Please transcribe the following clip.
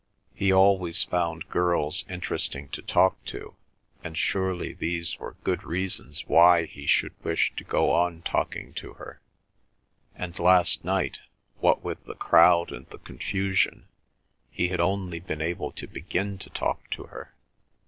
He always found girls interesting to talk to, and surely these were good reasons why he should wish to go on talking to her; and last night, what with the crowd and the confusion, he had only been able to begin to talk to her.